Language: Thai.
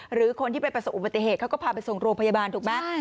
หรือคนที่ไปประสบอุบัติเหตุเขาก็พาไปส่งโรงพยาบาลถูกไหม